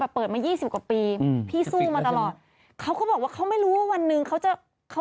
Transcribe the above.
เปิดมายี่สิบกว่าปีอืมพี่สู้มาตลอดเขาก็บอกว่าเขาไม่รู้ว่าวันหนึ่งเขาจะเขา